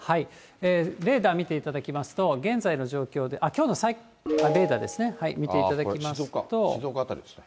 レーダー見ていただきますと、現在の状況で、レーダーですね、静岡辺りですか。